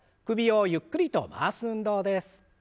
首をゆっくりと回す運動です。